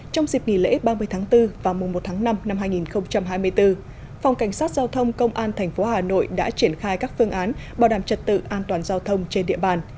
trong dịp nghỉ lễ ba mươi tháng bốn và mùa một tháng năm năm hai nghìn hai mươi bốn phòng cảnh sát giao thông công an tp hà nội đã triển khai các phương án bảo đảm trật tự an toàn giao thông trên địa bàn